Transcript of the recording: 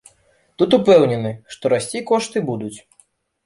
Тут упэўнены, што расці кошты будуць.